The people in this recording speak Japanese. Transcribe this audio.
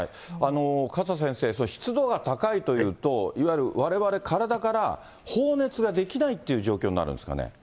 勝田先生、湿度が高いというと、いわゆるわれわれ、体から放熱ができないっていう状況になるんですかね。